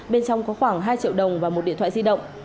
bên trong có khoảng hai triệu đồng và một điện thoại di động